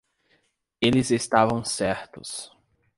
Eles estavam certos